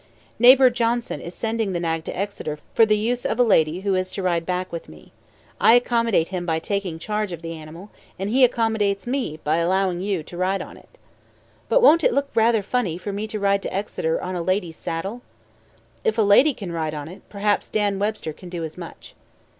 "Neighbor Johnson is sending the nag to Exeter for the use of a lady who is to ride back with me. I accommodate him by taking charge of the animal, and he accommodates me by allowing you to ride on it." "But won't it look rather funny for me to ride to Exeter on a lady's saddle?" "If a lady can ride on it, perhaps Dan Webster can do as much."